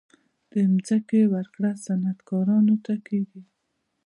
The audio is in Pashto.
د ځمکې ورکړه صنعتکارانو ته کیږي